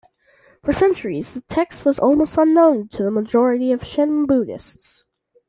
For centuries, the text was almost unknown to the majority of Shin Buddhists.